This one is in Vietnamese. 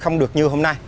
không được như hôm nay